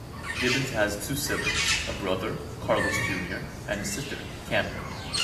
Gibbons has two siblings - a brother, Carlos Junior and a sister, Cammy.